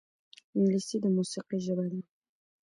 انګلیسي د موسیقۍ ژبه ده